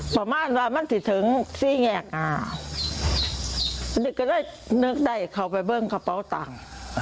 ประมาณว่ามันที่ถึงสี่แยกอ่าเด็กก็เลยนึกได้เขาไปเบิ้งกระเป๋าตังค์